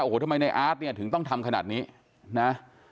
โอ้โหทำไมในอาร์ตเนี่ยถึงต้องทำขนาดนี้นะ